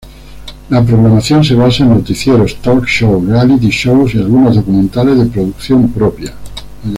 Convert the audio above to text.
La programación se basa en noticieros, talk-shows, reality-shows y algunos documentales de producción propia.